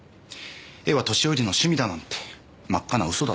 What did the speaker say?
絵は年寄りの趣味だなんて真っ赤な嘘だったわけだ。